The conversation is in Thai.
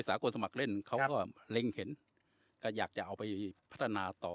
กลสมัครเล่นเขาก็เล็งเห็นก็อยากจะเอาไปพัฒนาต่อ